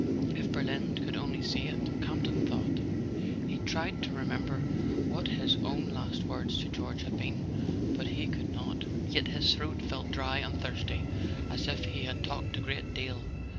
"If Berlin could only see it!" Campton thought. He tried to remember what his own last words to George had been, but could not; yet his throat felt dry and thirsty, as if he had talked a great deal.